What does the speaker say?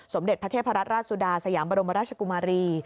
เด็จพระเทพรัตนราชสุดาสยามบรมราชกุมารี